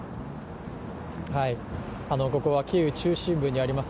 ここはキーウ中心部にあります